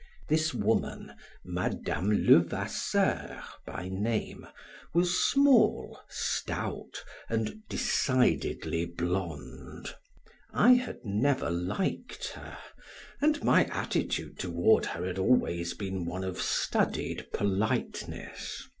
This woman, Madame Levasseur by name, was small, stout, and decidedly blonde; I had never liked her and my attitude toward her had always been one of studied politeness.